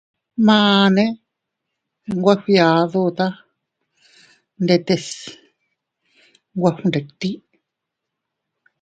Mane nwe fgiaduta ndetes nwe fgnditi.